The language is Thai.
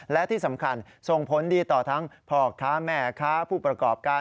และที่สำคัญส่งผลดีต่อทั้งพ่อค้าแม่ค้าผู้ประกอบการ